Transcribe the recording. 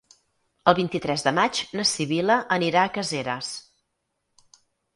El vint-i-tres de maig na Sibil·la anirà a Caseres.